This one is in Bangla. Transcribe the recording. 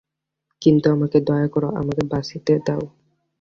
কিন্তু আমাকে দয়া করো–আমাকে বাঁচিতে দাও।